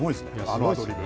あのアドリブ。